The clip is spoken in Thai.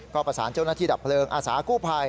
ก็ประสานเจ้าหน้าที่ดับเพลิงอาสากู้ภัย